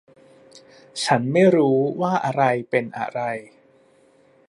ฉันไม่รู้ว่าอะไรเป็นอะไร